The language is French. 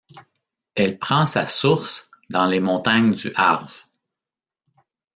Elle prend sa source dans les montagnes du Harz.